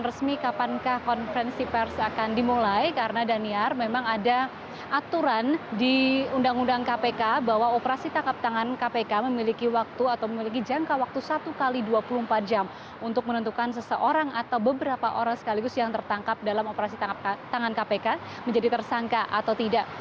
dan juga tidak ada pernyataan resmi kapan kah konferensi pers akan dimulai karena daniel memang ada aturan di undang undang kpk bahwa operasi tangkap tangan kpk memiliki waktu atau memiliki jangka waktu satu x dua puluh empat jam untuk menentukan seseorang atau beberapa orang sekaligus yang tertangkap dalam operasi tangkap tangan kpk menjadi tersangka atau tidak